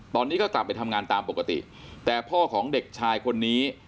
ตอนนี้ก็กลับไปทำงานตามปกติแต่พ่อของเด็กชายคนนี้